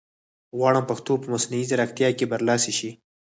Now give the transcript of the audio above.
غواړم پښتو په مصنوعي ځیرکتیا کې برلاسې شي